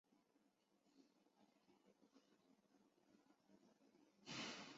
也是该省的首府所在城市。